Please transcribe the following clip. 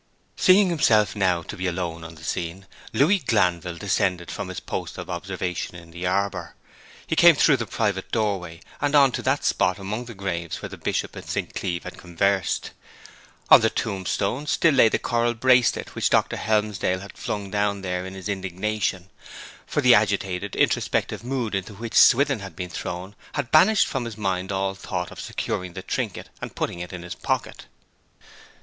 Seeing himself now to be left alone on the scene, Louis Glanville descended from his post of observation in the arbour. He came through the private doorway, and on to that spot among the graves where the Bishop and St. Cleeve had conversed. On the tombstone still lay the coral bracelet which Dr. Helmsdale had flung down there in his indignation; for the agitated, introspective mood into which Swithin had been thrown had banished from his mind all thought of securing the trinket and putting it in his pocket.